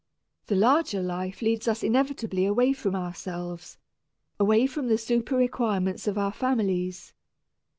The larger life leads us inevitably away from ourselves, away from the super requirements of our families.